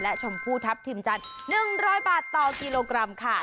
และชมพูทัพทิมจันทร์๑๐๐บาทต่อกิโลกรัมค่ะ